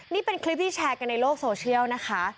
นี่เป็นคลิปที่แชร์กันในโลกโซเชียลนะคะ